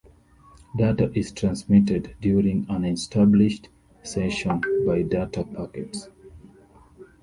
Data is transmitted during an established session by data packets.